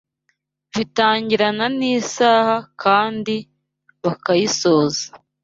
Bitangirana n’isaha kandi bikayisoza